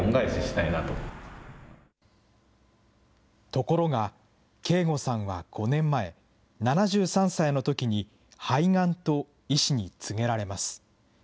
ところが、圭吾さんは５年前、７３歳のときに、肺がんと医師に告げられます。